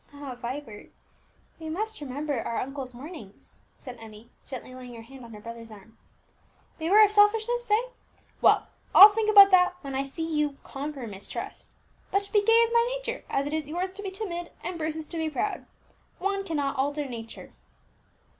"Ah, Vibert, we must remember our uncle's warnings," said Emmie, gently laying her hand on her brother's arm. "Beware of selfishness! eh? well, I'll think about that when I see you conquer mistrust. But to be gay is my nature, as it is yours to be timid, and Bruce's to be proud. One cannot alter nature."